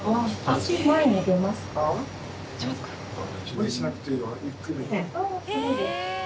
無理しなくていいよゆっくりで。